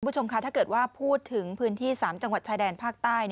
คุณผู้ชมค่ะถ้าเกิดว่าพูดถึงพื้นที่๓จังหวัดชายแดนภาคใต้